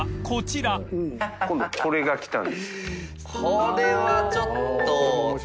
これはちょっと大島）